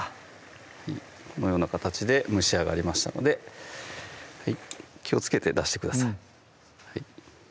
このような形で蒸し上がりましたので気をつけて出してください